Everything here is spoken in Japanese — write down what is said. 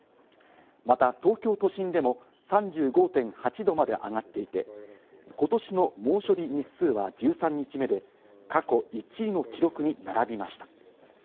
また東京都心でも３５．８度まで上がっていて、今年の猛暑日日数は１３日目で、過去１位の記録に並びました。